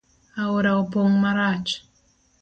Aora opong marach